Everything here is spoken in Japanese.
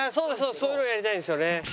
そういうのをやりたいんですよね。